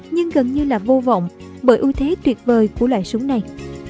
nhưng gần như là vô vọng bởi ưu thế tuyệt vời của loại súng này